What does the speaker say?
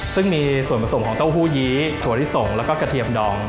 ซึ่งมีส่วนผสมของเต้าหู้ยี้ถั่วลิสงแล้วก็กระเทียมดอง